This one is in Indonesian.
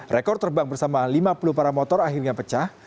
rekor terbang bersama lima puluh paramotor akhirnya pecah